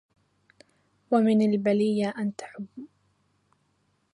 ومن البلية أن تحب